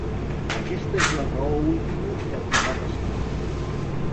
Aquesta és la raó última del que va passar.